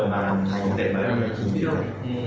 วันนี้ก็กำไพตัวในทีเยี่ยม